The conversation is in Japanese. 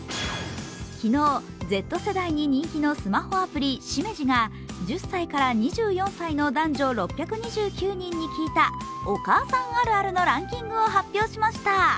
昨日、Ｚ世代に人気のスマホアプリＳｉｍｅｊｉが１０歳から２４歳の男女６２９人に聞いたお母さんあるあるのランキングを発表しました。